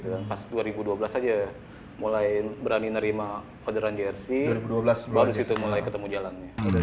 pas dua ribu dua belas aja mulai berani nerima orderan jrc baru situ mulai ketemu jalannya